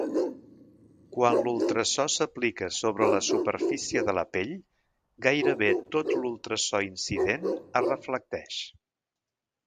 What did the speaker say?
Quan l'ultrasò s'aplica sobre la superfície de la pell, gairebé tot l'ultrasò incident es reflecteix.